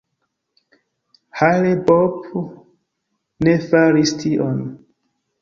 Hale-Bopp ne faris tion.